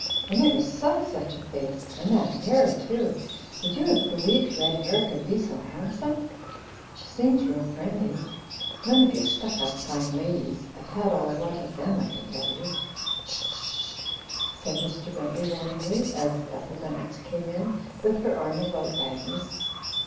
"I never saw such a face and that hair too. Would you have believed red hair could be so handsome? She seems real friendly none of your stuck up fine ladies! I've had all I want of them, I can tell you!" "Sh sh sh!" said Mr. Bentley warningly, as Ethel Lennox came in with her arm about Agnes.